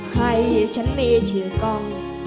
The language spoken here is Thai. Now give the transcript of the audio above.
ให้ฉันมีชื่อกล้อง